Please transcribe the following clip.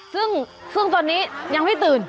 ซึ่งตอนนี้ยังไม่ตื่น